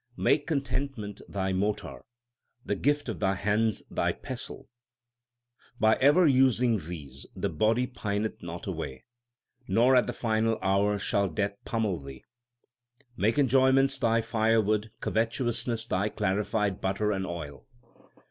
Make contentment thy mortar, the gift of thy hands thy pestle : By ever using these the body pineth not away, Nor at the final hour shall Death pommel thee. Make enjoyments thy firewood, covetousness thy clarified butter and oil.